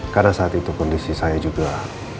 karena saat itu kondisi saya juga